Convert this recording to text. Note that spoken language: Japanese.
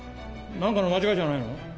なんかの間違いじゃないの？